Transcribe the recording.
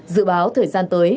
dự báo thời gian tới